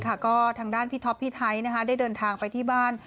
ก็ทางด้านพี่ท็อปพี่ไทยได้เดินทางไปที่บ้าน